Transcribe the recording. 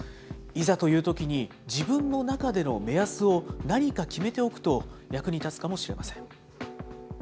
いざというときに、自分の中での目安を何か決めておくと役に立つかもしれません。